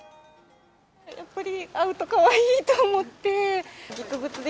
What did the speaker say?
やっぱり会うとかわいいって思って。